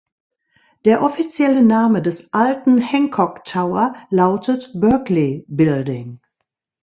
Der offizielle Name des "alten Hancock Tower" lautet "Berkley Building".